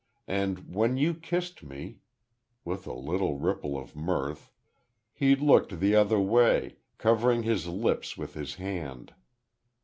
And when you kissed me," with a little ripple of mirth, "he looked the other way, covering his lips with his hand.